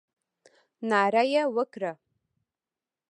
ناره یې وکړه.